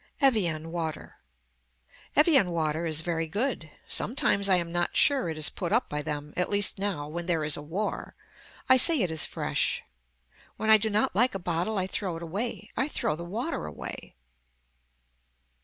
EVIAN WATER Evian water is very good. Sometimes I am not sure it is put up by them at least now when there is a war. I say it is fresh. When I do not like a bottle I throw it away. I throw the water away.